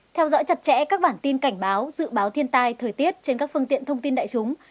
theo dõi chặt chẽ các bản tin cảnh báo dự báo thiên tai thời tiết trên các phương tiện thông tin đại chúng